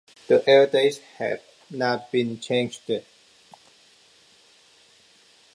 The air dates have not been changed.